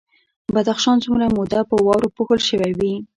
بدخشان څومره موده په واورو پوښل شوی وي؟